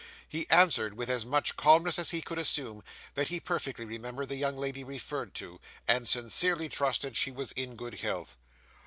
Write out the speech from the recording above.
He answered, with as much calmness as he could assume, that he perfectly remembered the young lady referred to, and sincerely trusted she was in good health.